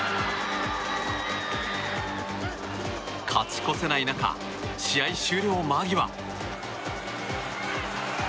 勝ち越せない中試合終了間際。